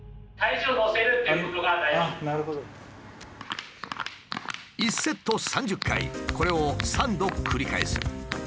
１セット３０回これを３度繰り返す。